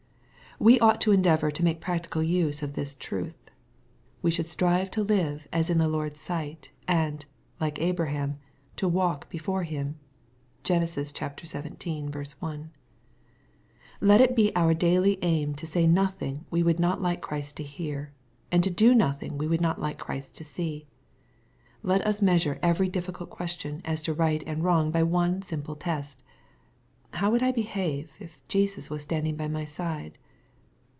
We ought to endeavor to make practical use of this truth. We should strive to live as in the Lord's sight, and, like Abraham, to " walk before him." (Gen. xvii. 1.) Let it be our daily aim to say nothing we would not like Christ to hear, and to do nothing we would not like Christ to see. Let us measure every difiScult question as to right and wrong by one simple test, "How would I behave, if Jesus was standing by my side